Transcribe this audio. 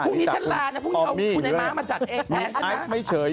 พรุ่งนี้ฉันลานะพรุ่งนี้เอาคุณไอ้ม้ามาจัดเอกแท้นใช่มั้ยอ๋อมีอีซไม่เฉย